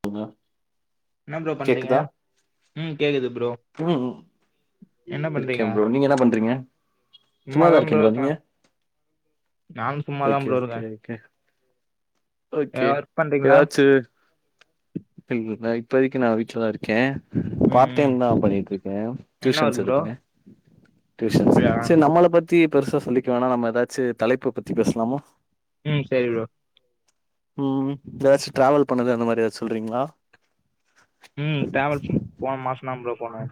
[unintelligible] என்ன ப்ரோ பண்றீங்க கேக்குதா ம் கேட்குது ப்ரோ ம் ம் என்ன இருக்கே பண்றீங்க ப்ரோ நீங்க என்ன பண்றீங்க சும்மாதா ப்ரோ இருக்கீங்களா இருக்கற நீங்க நானு சும்மாதா ஓகே ப்ரோ இருக்கே ஓகே ஓகே ஓகே எதா ஒர்க் பண்றீங்களா எதாச்சு இல் நா இப்போதைக்கு நா வீட்ல தா இருக்கே ம் பார்ட் ம் டைம் தா பண்ணீட்ருக்கே என்ன ஒர்க் டியூஷன்ஸ் ப்ரோ எடுக்கறே டியூசன்ஸ் அப்டியா செர் நம்மள பத்தி பெருசா சொல்லிக்க வேணா நம்ம எதாச்சு தலைப்ப பத்தி பேசலாமோ ம் சேரி ப்ரோ ம் ஏதாச்சு டிராவல் பண்ணது அந்த மாரி ஏதாச் சொல்றீங்ளா ம் டிராவல் போன மாசந்தா ப்ரோ போன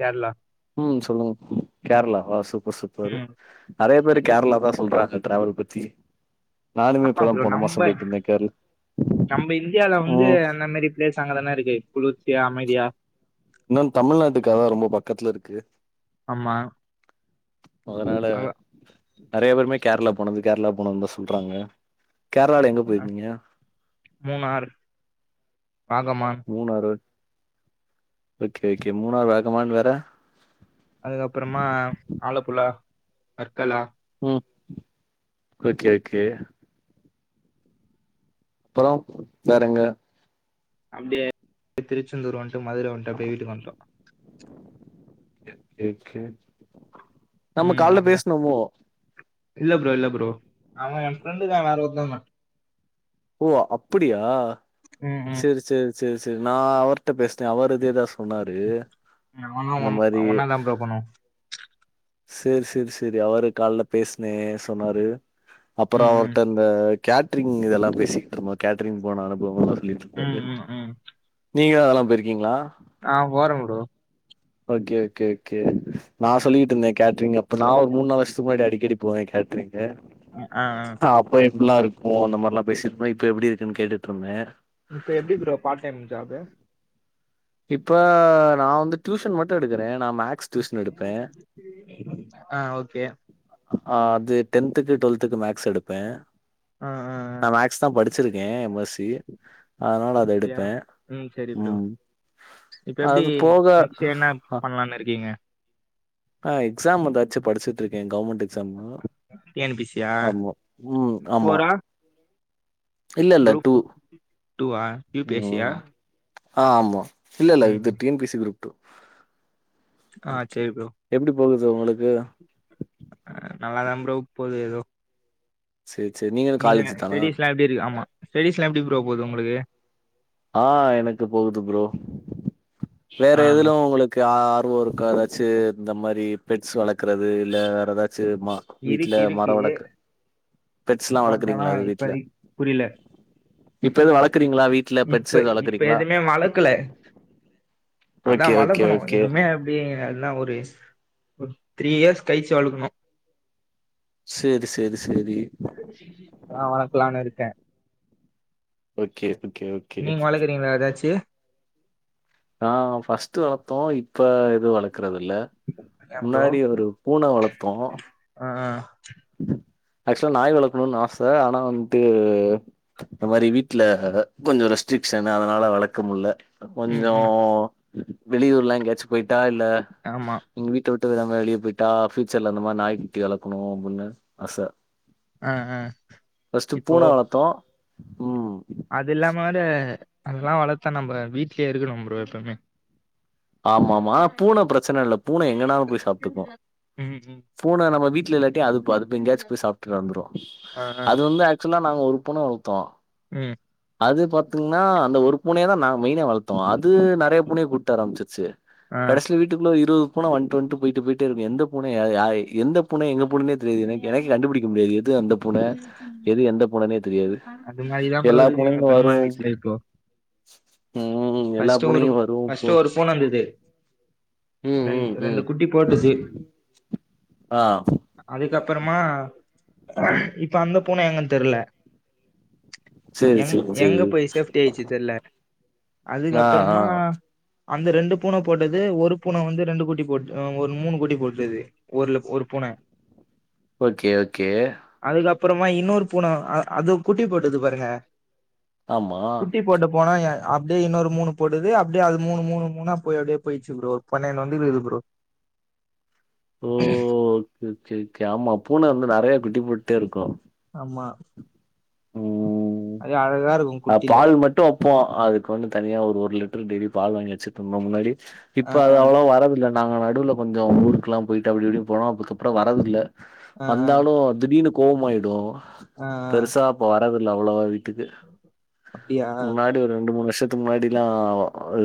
கேர்ளா ம் சொல்லுங்க கேர்ளாவ சூப்பர் சூப்பர் ம் நறைய பேர் கேர்ளா தா சொல்றாங்க டிராவல் பத்தி நானுமே ஆமா இப்பதா ப்ரோ போன மாசோ நம்ப போயிட்டு இருந்தே கேரளா நம்ப இந்தியால வந்து ம் அந்தமேரி பிளேஸ் அங்கதானே இருக்கு குளிர்ச்சியா அமைதியா இன்னோ தமிழ்நாட்டுக்கதா ரொம்ப பக்கத்துல இருக்கு ஆம்மா அதனால நறைய பேருமே கேர்ளா போனது கேர்ளா போனோன்தா சொல்றாங்க கேர்ளால எங்க போயிருக்கிங்க மூணாற் பாகமான் மூணாறு ஓகே ஓகே மூணாறு வாகமான் வேற அதுக்கப்பறமா ஆலப்புழா வட்களா ம் ஓகே ஓகே அப்புற வேறெங்க அப்டியே திருச்செந்தூர் வன்ட்டு மதுர வன்ட்டு அப்டியே வீட்டுக்கு வன்ட்டோ ஓகே நம்ம ம் கால்ல அங்க பேச்னமோ இல்ல ப்ரோ இல்ல ப்ரோ ஓ அப்புடியா ம் ம் செர் செர் செர் செர் நா அவர்ட பேச்டே அவரு இதேதா சொ சொன்னாரு இந்த மாரி போனோ சேர் சேர் சேர் அவரு கால்ல பேச்னே சொன்னாரு அப்புற ம் ம் அவர்ட இந்த கேட்ரிங் இதெல்லா பேசிட்ருந்தோ கேட்ரிங் போன அனுபவல ம் ம் ம் நீங்க அதெல்லா போயிருக்கீங்ளா ஆ போற ப்ரோ ஓகே ஓகே ஓகே நா சொல்லிகிட்டு இருந்த கேட்ரிங் அப்ப நா ஒரு மூண் நாள் வர்ஷத்துக்கு முன்னாடி அடிக்கடி போவே கேட்ரிங் ஏ ம் ம் அப்ப எப்பில்லா இருக்கு அந்த மாரிலா பேசின்தோ இப்ப எப்டி இருக்குன் கேட்டுட்ருந்த இப்ப எப்டி ப்ரோ பார்ட் டைம் ஜாப்பு இப்ப நா வந்து டியூஷன் மட்டு எடுக்கிற நா மேக்ஸ் டூஷன் எடுப்பே ஆ ஓகே ஆ அது டென்த்துக்கு டுவெல்த்துக்கு மேக்ஸ் எடுப்பே ஆ ஆ ஆ நா மேக்ஸ் தா படிச்சிருக்கே எம் எஸ் சி அதனால அத யா எடுப்பே ம் செரி ப்ரோ இப்ப எப்டி அது போக நெக்ஸ்ட் என்ன பண்ணலானு இருக்கீங்க ஆ எக்ஸாம் வந்தாச்சு படிச்சிட்ருக்கே கௌவ்மெண்டு ஸம்மா டி என் பி சி யா ஆமா ம் ஆமா ஃபோரா இல்லல்ல டூ குரூப் டூவா யூ பி எஸ் சி யா ம் ஆ ஆமா இல்லல்ல ம் பிஃப்டீன் பீஸ் இல்ல டூ ஆ எப்டி போகுது சர் உங்களுக்கு அ நல்லாத ப்ரோ போது ஏதோ செர் செர் நீ நீங்கக ஸ்டடீஸ்லா எப்டி இருக்கு ஆமா ஸ்டீஸ்லா எப்டி ப்ரோ போது உங்ளுக்கு ஆ எனக்கு போகுது ப்ரோ வேற ஆ எதுல உங்ளுக் க ஆர்வோ இருக்க ஏதாச்சு இந்த மாரி பெட்ஸ் வளக்கிறது இல்ல வேறு ஏதாச்சு மா வீட்டுல இருக்கு மர இருக்கு வளக் பெட்ஸ்ல்லா பட் ஆனா வளக்குறீங்ளா அது வீட்ல இப்பதைக்கு புரியல இப்ப எது வளக்குறீங்ளா வீட்ல பெட்ஸ் இப்ப எது இப்ப வளக்குறீங்களா எதுமே வளக்கல அதா ஓகே ஓகே வளக்கணு ஓகே இனிமே அப்யே எல்லா ஒரு ஒரு த்ரீ இயர்ஸ் கழிச்சு வளக்ணு சேரி சேரி சேரி அதா வளக்லானு இருக்க ஓக்கே ஓக்கே ஓக் நீங்க வளக்றீங்ளா எதாச்சு நா ஃபஸ்ட்டு வளத்தோ இப்போ எது வளக்றது இல்ல ஏ முன்னாடி ஒரு பூன வளத்தோ அ அ ஆச்சுவலா நாய் வளக்கணுனு ஆச ஆனா வன்ட்டு இந்த மாரி வீட்ல கொஞ்சோ ரெஸ்ட்ரிக்ஷன் அதனால வளக்கமுட்ல ம் கொஞ்சோ ம் வெளியூர்லா எங்கயாச்சு பொய்ட்டா இல்ல ஆமா இங்க வீட்ட விட்டு வேரா எங்னா வெளிய பொய்ட்டா பியூச்சர்ல அந்த மாரி நாய்க் குட்டி வளக்கனு அப்டின்னு ஆச ஆ ஆ ஃபஸ்ட்டு இப்போ பூன வளத்தோ ம் அது இல்லாம வேற அதெல்லா வளத்தா நம்ப வீட்லியே இருக்கனு ப்ரோ எப்பய்மே ஆமா ஆமா பூன பிரச்சன இல்ல பூன எங்கனாலு போய் சாப்ட்டுக்கு ம் ம் பூன நம் வீட்ல இல்லாட்டி அதுப்ப அது போய் எங்கேயாச்சு போய் சாப்ட்டு வந்ரு ஆ ஆ அது வந்து ஆக்சுவலா நாங்க ஒரு பூன வளத்தோ ம் அது பாத்திங்ன்னா அந்த ஒரு பூனைய தா நாங்க மெய்னா வளத்தோ அது நறைய பூனய கூப்ட்டு வர சு ஆ கடசில வீட்டுக்குள்ள இருவது பூன வண்டு வண்டு பொய்ட்டு பொய்டு பொய்ட்டே இருக்கு எந்த பூன எ அ எந்த பூன எங்க பூனனே தெரியாது எனக்கு எனக்கே கண்டுபுடிக்க முடியாது எது அந்த பூன எது எந்த புனனே தெரியாது அது மாரிதா ப்ரோ எல்லா இருக்குது எங்க பூனையும் பெரிம்மா வரும். வீட்லியு இப்போ ம் எல்லா ஃபஸ்ட் பூனையும் வரும் போ ஃபஸ்ட்டு ஒரு பூன வந்துது ம் ரென் ம் ரெண்டு ம். குட்டி போட்டுது ஆ அதுக்கப்றமா இப்ப அந்த பூன எங்கன் தெர்ல சரி எங் சரி சரி. எங்க போய் சேஃப்ட்டி ஆய்ச்சு தெர்ல ஆ ஆ அதுக்கப்றமா அந்த ரெண்டு பூன போட்டது ஒரு பூன வந்து ரெண்டு குட்டி போட் ஒரு மூணு குட்டி போட்டுது ஒர்ல ஒரு பூன ஓகே ஓகே அதுக்கப்றமா இன்னோரு பூன அது குட்டி போட்டுது பாருங்க ஆமா போட்டு போனா அப்டியே இன்னொரு மூணு போட்டுது அப்டிய அது மூணு மூணு மூணா போய் அப்டியே பொய்ட்ச்சு ப்ரோ பன்னென்டு வந்ருக்கு ஃப்ரோ ஓ ஒகே ஓகே ஓகே ஆமா பூன வந்து நறைய குட்டி போட்டே இருக்கு ஆமா ம் அது அழகா இருக்கும் அ குட்டில பால் மட்டு ப்போ அதுக்கு வந்து தனியா ஒரு ஒரு லிட்டர் டெய்லி பால் வாங்கி வச்சுட்ருந்தோ முன்னாடி ஆ இப்ப அது அவ்ளோ வரதில்ல நாங்க நடுவ்ல கொஞ்சோ ஊருக்லா பொய்ட்டு அப்டிஇப்டி போன அதுக்கப்ற வரதில்ல வந்தாலு திடீர்னு கோவமாய்டு ஆ ஆ பெருசா இப்ப வரதில்ல அவ்ளவா வீட்டுக்கு அப்டியா முன்னாடி ஒரு ரெண்டு மூணு வருஷத்துக்கு முன்னாடிலா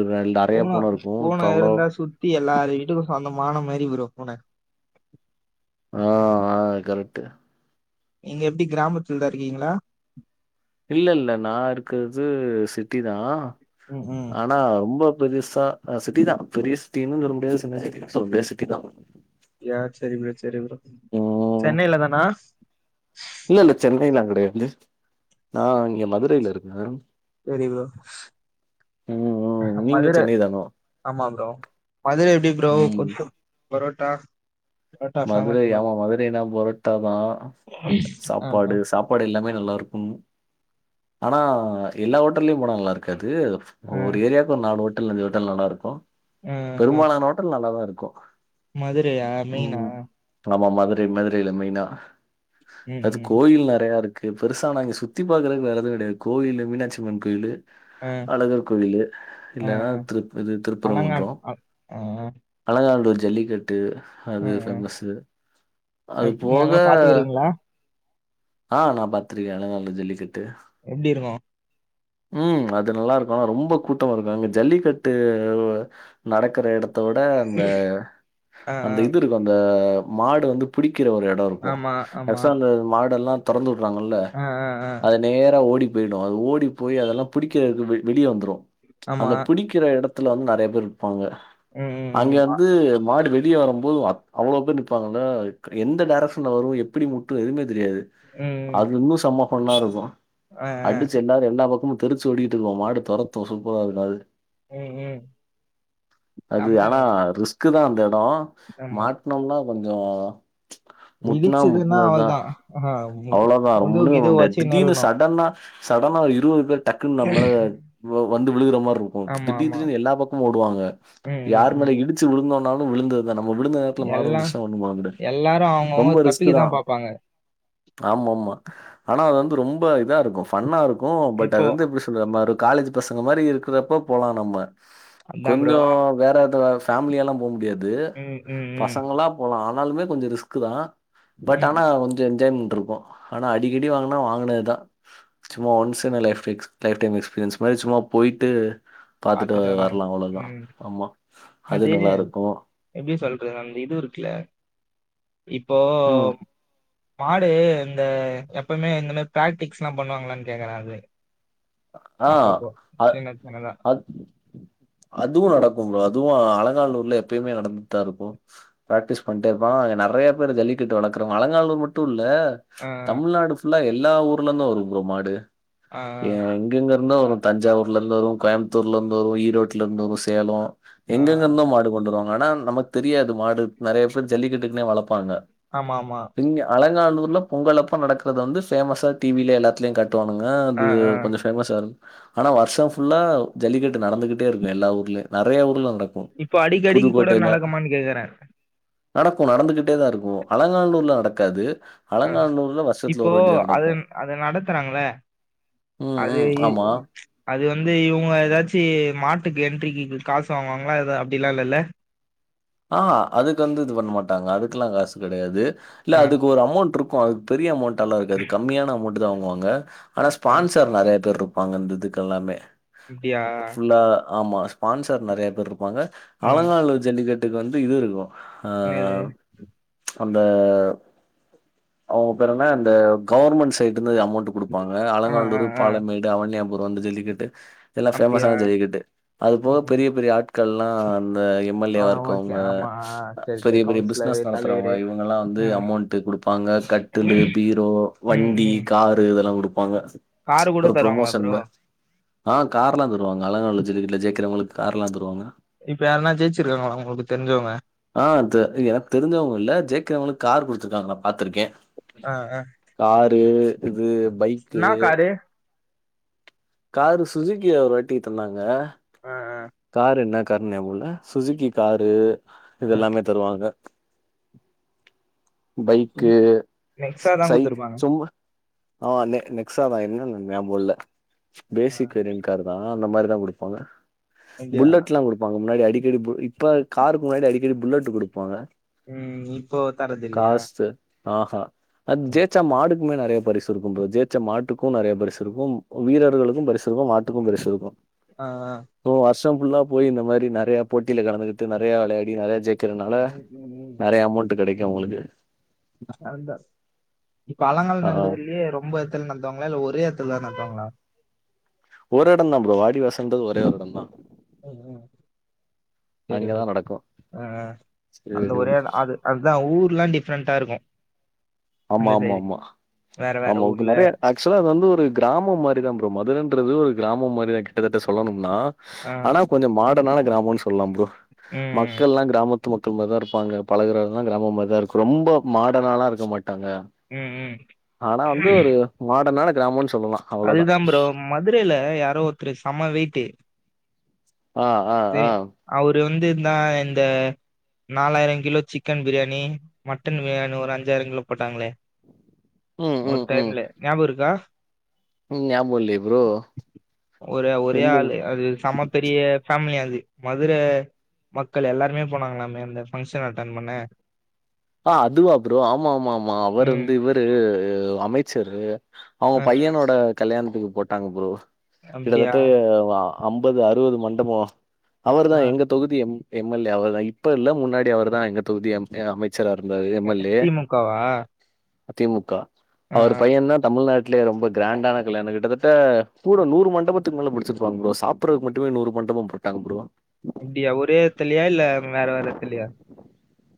ரெ நறைய பூனருக்கு இப்போ அவ்ளோவா பத்தி எல்லாரு வீட்டுக்கு சொந்தமான மாரி ஒரு பூன ஆ ஆ கரெக்ட்டு நீங்க எப்டி கிராமத்துல தா இருக்கீங்ளா இல்லல்ல நா இருக்றது சிட்டி தா ம் ம் ஆனா ரொம்ப பெருசா அ சிட்டி தா பெரிய சிட்டினு சொல்ல முடியாது சிட்ட சிட்டினு சொல்ல முடியாது சிட்டி தா அப்டியா செரி ப்ரோ செரி ப்ரோ சென்னைல தானா இல்லல்ல சென்னையிலா கெடையாது நா இங்க மதுரைல இருக்கே சேரி ப்ரோ ம் ம் அ நீங்க மதுர சென்னை தானோ ஆமா ப்ரோ மதுர எப்டி ப்ரோ ம் கொத் பரோட்டா மதுர ஆமா மதுரைனா புரோட்டாதா ஆ ஆ சாப்பாடு சாப் பாடு எல்லாமே நல்லாருக்கும் ஆனா எல்லா ஹோட்டல்லியு போனா நல்லாருக்காது ஆ ஒரு ஏரியாக்கு ஒரு நாலு ஹோட்டல் அஞ்சு ஹோட்டல் நல்லாருக்கு ஆ ஆ பெரும்பாலான ஹோட்டல் நல்லாதாருக்கு மதுரையா மெயினா ஆமா மதுரை மதுரையில மெயினா ம் அது ம் கோயில் நறையருக்கு கு பெருசா நாங்க சுத்தி பாக்கறதுக்கு வேற எதுவு கெடையாது கோயிலு மீனாட்சியம்மன் கோயிலு ஆ அழகர் கோயிலு ஆ இல்லன்னா திருப் இது அலங்கான் திருப்பரங்குன்றோ அ ஆ அழகாநல்லூர் ஜல்லிக்கட்டு ஆ அது ஆ ஃபேமஸு அது எப்- நீங்க போக எல்லாம் பாத்துக்கிறீங்களா ஆ நா பாத்துருக்கே அழகாநல்லூர் ஜல்லிக்கட்டு எப்டிருக்கு ம் அது நல்லாருக்கு ரொம்ப கூட்டமாருக்கு அங்க ஜல்லிக்கட்டு நடக்ற எடத்தோட அந்த ஆ அந்த ஆ இதுருக்கு அந்த மாடு வந்து புடிக்கிற ஒரு எடோ இருக்கு ஆமா ஆமா வருசாங்க மாடெல்லா தொறந்து உட்வாங்கல்ல ஆ ஆ ஆ அத நேரா ஓடி போய்டு அது ஓடி போய் அதெலா புடிக்கிறதுக்கு வெளியே வந்துடு அந்த ஆமா புடிக் நிக்ற எடத்துல வந்து நறைய பேர் இருப்பாங்க ம் அங்க ம் ம் வந்து மாடு வெ ளிய வரும்போது அத் அவ்ளோ பேர் நிப்பாங்கள எந்த டைரக்ஷன்ல வரு எப்படி முட்டும் எதுவுமே தெரியாது ம் அது இன்னு சம ஃபன்னா இருக்கு ஆ அடிச்சு எல்லாரு எல்லா பக்கமு தெறிச்சு ஓடிட்டு இருபோ மாடு தொரத்து சூப்பராருக்கு அது ம் ம் செமையாருக்கு க்கு தா அந்த எடோ மாட்னோம்னா கொஞ்சோ இடிச்சுதுன்னா அவளோதா அ ஹா அவ்ளோதா ஒன்னுமே பண்ண முடியாது திடீர்னு சடன்னா சடன்னா இருபது பேர் டக்குன்னு நம்மேல வந்து வ விழுகுற மாரி இருக்கு போ ஆமா, திடீர் ஆமா. திடீர்னு எல்லா பக்கமு ஓடுவாங்க ம், ம், யாரு ம். மேல இடிச்சு விழுந்தோனாலு விழுந்தது இல்ல நம்ம விழுந்த நேரத்துல மாடு எல்லா வந்துருச்சா ஒண்ணு பண்ண முடியாது எல்லாரு அவங்கவங்க ரொம்ப ரிஸ்க்கு தா தப்பிக்கதா பாப்பாங்க. ஆமாமா ஆனா அது வந்து ரொம்ப இதாருக்கும் ஃபன்னாருக்கு பட் அது இப்போ வந்து நம்ம ஒரு காலேஜ் பசங்க மாரி இருக்கறப்போ போலா நம்ம அதா ப்ரோ. கொஞ்சோ வேற அத ஃபேமிலியெல்லா போக முடியாது ம், ம், ம், பசங்களா போலா ஆனாலுமே கொஞ்சோ ரிஸ்க்கு தா பட் ம். ஆனா கொஞ்சோ என்ஜாய்மெ ட்ருக்கு ஆனா அடிக்கடி வாங்குனா வாங்குனதுதா சும்மா ஒன்ஸ் என் லைஃப்க் லைஃப் டைம் எக்ஸ்பீரியன்ஸ் மாரி சும்மா போயிட்டு பாத்துட்டு வந்தாங்க. வரலா அவ்ளோதா ம். ஆமா அது நல்லாயிருக்கு எப்டி சொல்றது அந்த இது இருக்குல இப்போ ம். மாடு இந்த எப்பமே இந்த மாரி பிராக்டிக்ஸ்லா பண்ணுவாங்களான் கேக்குறா அத ஆ அ சின்ன சின்னதா. அத் அதுவு நடக்கு ஃப்ரோ அதுவு அலங்காநல்லூர்ல எப்பயுமே நடந்துட்தா இருக்கு பிராக்டிஸ் பண்ட்டே இருப்பாங்க அங்க நெறைய பேர் ஜல்லிக்கிட்டு வளக்கறவுங்க அலங்காநல்லூர் மட்டு இல்ல ஆ, தமிழ்நாடு ஃபுல்லா எல்லா ஊர்ல இருந்து வரு ஃப்ரோ மாடு ஆ, ஏ எங்கங்க இருந்தோ வரு தஞ்சாவூர்ல இருந்து வரு கோயம்த்தூர்ல இருந்து வரு ஈரோட்ல இருந்து வரு சேலோ ஆ, ஆ, எங்கெங்க இருந்தோ மாடு கொண்டுருவாங்க ஆனா நமக்கு தெரியாது மாடு நெறைய பேர் ஜல்லிக்கட்டுக்குனே வளப் பாங்க ஆமா, ஆமா. அலங்காநல்லூர்ல பொங்கல் அப்போ நடக்கறது வந்து ஃபேமஸா டி வி ல எல்லாத்துலே காட்டுவானுங்க அது ஆ, ஆ. கொஞ்சோ பேமஸ்ஸா ஆனா வர்ஷா ஃபுல்லா ஜல்லிக்கட்டு நடந்துகிட்டே இருக்கு எல்லா ஊர்லயு நெறைய ஊர்ல நட இப்போ அடிக்க அடிக்கு கூட நடக்குமானு கேக்குறே நடக்கு நடந்துகிட்டே தா இருக்கு அலங்காநல்லூர்ல நடக்காது அலங்காநல்லூர்ல வர்ஷத்துல ஒரு வாட்டி தா நடக்கு அத நடத்துறாங்ள ம், அது ம். இ ஆமா. அது வந்து இவுங்க ஏதாச்சு மாட்டுக்கு என்ட்ரிக்கு காசு வாங்குவாங்ளா எத அப்டிலா இல்லல்ல ஆ அதுக்கு வந்து இது பண் மாட்டாங்க அதுக்லா காசு கெடையாது இல்ல ஆ அதுக்கு ஒரு அமோண்ட்ரு க்கு அதுக்கு பெரிய அமோண்ட்ல்லா இருக்காது கம்மியான அமோண்ட்டு தா வாங்குவாங்க ஆனா ஆ ஸ்பான்சர் நெறைய பேர்ருப் பாங்க இந்த இதுக்கு எல்லாமே அப்டியா ஃபுல்லா ஆம்மா ஸ்பான்சர் நெறைய பேர்ருப்பாங்க ம் அலங்காநல்லூர் ஜல்லிக்கட்டுக்கு வந்து இது இருக்கு ஆ என்னது அந்த அவுங்க பேரென அந்த கவுர்மெண்ட் சைட்டுந்து அமோண்ட் குடு ப்பாங்க ஆ ஆ அலங்காநல்லூர் ஆ பாலமேடு அவன்யாபுரா அந்த ஜல்லிக்கட்டு இதல்லா அப்டியா ஃபேமஸான ஜல்லிக்கட்டு அது போவ ம் ம் பெரிய பெரிய ஆட்கல்லா அந்த எ ஆ ஓக் ங்க அ பெரிய பெரிய பிஸ்னஸ் நடத்துறவங்க தலைவரு இவங்கல்லா வந்து ஆ அமோண்ட்டு குடுப்பாங்க க ட்டுலு பீரோ ம் வண்டி ம் காரு இதெலா குடுப்பாங்க காரு கூட ஒரு தருவாங்களா ப்ரமோஷன் ப்ரோ மா ஆ கார்லா தருவாங்க அலங்காநல்லூர் ஜல்லிக்கட்ல ஜெயிக்கிறவங்களுக்கு கார்லா தருவாங்க இப்ப யார்னா ஜெயிச்சிருக்காங்ளா உங்களுக்கு தெரிஞ்சவங்க ஆ து எனக்கு தெரிஞ்சவங்க இல்ல ஜெயிக்கிரவங்களுக்கு கார் குடுத்துருக்காங்க நா பாத்துருக்கே ஆ ஆ காரு இது பைக்கு என்னா காரு காரு சுஜிக்கி ஒரு வாட்டி தந்தாங்க ஆ ஆ காரு என்ன கார்னு நியாபல்ல சுசுக்கி காரு ஆ இதெல்லாமே தருவாங்க பைக்கு நெக்ஸா தா சை குடுத்துருப்பாங்க சும்மா ஆ நெ நெக்ஸாதா என்னன் எனக்கு ஞாப இல்ல ஆ பேசிக் [unintelligible] காரு தா அந்த மாரி தா குடுப்பாங்க அப்டியா புல்லட்லா குடுப்பாங்க முன்னாடி அடிக்கடி இப்ப காருக்கு முன்னாடி அடிக்கடி புல்லட் குடுப்பாங்க ம் இப்போ தரதில்யா ஆ ஹா அது ஜெயிச்சா மாடு க்குமே நெறைய பரிசு இருக்கு ப்ரோ ஜெயிச்ச மாட்டுக்கு நெறைய பரிசு இருக்கு வீரர்களுக்கு பரிசு இருக்கு மாட்டுக்கு பரிசு இருக்கு ஆ ஆ ப்ரோ வர்ஷோ ஃபுல்லா போய் இந்த மாரி நெறைய போட்டில கலந்துகிட்டு நெறைய வெளையாடி நெறைய ஜெய் க்கிறனால நெறைய அமோண்ட்டு கெடைக்கு அவுங்களுக்கு அந்த இப்ப ஆ அலங்காநல்லூர்லயே ரொம்ப [unintelligible] நட்த்வாங்ளா இல்ல ஒரே எட்த்துல தா நடத்துவாங்ளா ஒரு எடம் தா ப்ரோ வாடிவாசல்ன்றது ஒரே ஒர் எடம் தா ம் ம் செரி ப்ரோ அங்கதா நடக்கு அ அ சேரி அந்த ப்ரோ ஒரே எட அது அதா ஊர்லா டிஃப்ரெண்டா இருக்கும் ஆமா அந்த ஆமா சைடு ஆமா வேற வேற ஆமா இப்ப ஊர்ல நெறைய ஃபேக் ஆக்ஷுவலா வந்து ஒரு கிராமம் மாரிதா ப்ரோ மதுரன்றது ஒரு கிராமம் மாரி தா கிட்டத்தட்ட சொல்லணும்னா ஆ ஆனா கொஞ்சம் மார்டன் ஆன கிராமம் சொல்லாம் ப்ரோ ம் ம் மக்கள்ல்லா கிராம மத்து மக்கள் மாரி தா இருப்பாங்க பழகுறல்லா கிராம மாரி தா இருக்கு ரொம்ப மாடர்ன்னாலா இருக்க மாட்டாங்க ம் ம். ஆனா வந்து ஒரு மாடர்னான கிராமொன் சொல்லலா அவ்ளோதா அதுதா ப்ரோ மதுரைல யாரோ ஒத்துரு சம்ம வெயிட்டு அ அ அ அவுரு வந்து இன்னா இந்த நாலாயிரோ kilo chicken biryani mutton biryani ஒரு அஞ்சாயிரோ கிலோ போட்டாங்ளே ம் ஒரு ம் ம் டைம்ல ஞாபம் இருக்கா ம் ஞாப இல்யே ஒரே ஒரே ஆளு அது சம்ம பெரிய ஃபேமிலியா அது மதுர மக்கள் எல்லாருமே போனாங்ளாமே அந்த ஃபங்க்ஷன் அட்டன் பண்ண ஆ அதுவா ப்ரோ ஆமா ஆமா ஆமா அவர் ம். வந்து இவரு அமைச்சரு அவுங்க அ பையனோட கல்யாணத்துக்கு போட்டாங்க ப்ரோ அப்டியா? கிட்டதட்ட ஆ அம்பது அறுவது மண்டபோ அவர்தா ஆ எங்க தொகுதி எம் எம் எல் ஏ அவர் தா இப்ப இல்ல முன்னாடி அவர் தா எங்க தொகுதி எம் அமை ச்சரா இருந்தாரு எம் எல் ஏ திமுகவா? தி மு கா ஆ அவரு ஆ பையன் தா தமிழ்நாட் லே ரொம்ப கிராண்டான கல்யாண வீடு கிட்டத்தட்ட கூட நூறு மண்டபத்துக்கு மேல புடிச்சுருப்பாங்க ப்ரோ சாப்புறக்கு மட்டுமே நூறு மண்டபம் ப்ரோ வந்ட்டாங்க ப்ரோ அப்டியா ஒரே எத்திலியா இல்ல வேற வேற எத்திலியா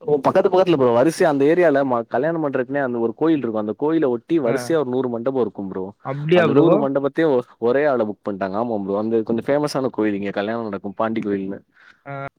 ஓ பக்கத்து பக்கத்துல ப்ரோ வருசையா அந்த ஏரியால மா கல்யாணம் பண்றக்குனா அந்த ஒரு கோயில்ருக்கு அந்த கோயில ஒ ட்டி ஆ வரிசையா ஒரு நூறு மண்டபோ இருக்கும் ப்ரோ அப்டியா அந்த ப்ரோ? நூறு மண்டபத்தையும் ஒரே ஆளா புக் பண்ட்டாங்க ஆமா ப்ரோ அந்த கொஞ்சோ ஃபேமஸான கோயில் இங்க கல்யாணம் நடக்கும் பாண்டி கோயில்னு ஆ